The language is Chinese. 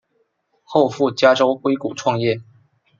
后赴加州硅谷创业。